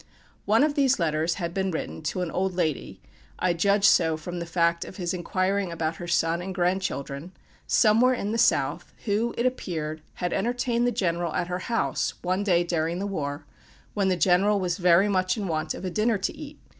One of these letters had been written to an old lady (I judged so from the fact of his inquiring about her son and grand children) somewhere in the South, who, it appeared, had entertained the general at her house, one day during the war, when the general was very much in want of a dinner to eat.